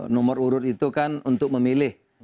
nomor urut itu kan untuk memilih